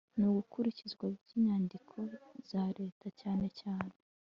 n ikurikizwa by inyandiko za leta cyane cyane